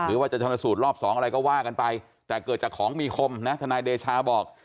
หรือว่าจะชนสูตรรอบสองอะไรก็ว่ากันไปแต่เกิดจากของมีคมนะทนายเดชาบอก